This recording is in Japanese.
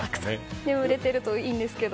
眠れているといいんですけど。